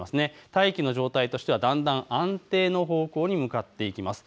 大気の状態としてはだんだん安定の方向に向かっていきます。